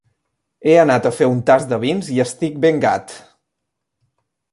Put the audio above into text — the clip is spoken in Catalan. He anat a fer un tast de vins i estic ben gat!